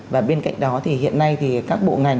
và bên cạnh đó thì hiện nay thì các bộ ngành